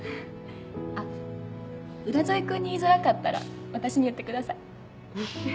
あっ浦添君に言いづらかったら私に言ってください。